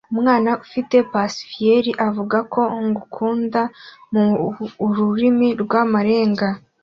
Umwana ufite pacifier avuga ko ngukunda mururimi rw'amarenga